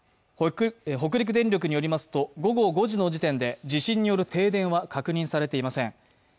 北陸電力によりますと、午後５時の時点で地震による停電は確認されていません。